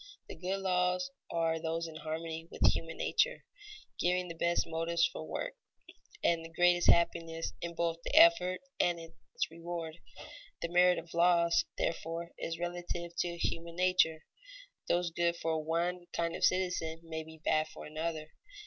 The good laws are those in harmony with human nature, giving the best motives for work and the greatest happiness both in the effort and in its reward. The merit of laws, therefore, is relative to human nature; those good for one kind of citizens may be bad for another.